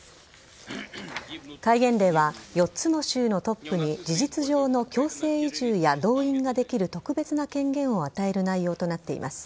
戒厳令は４つの州のトップに事実上の強制移住や動員ができる特別な権限を与える内容となっています。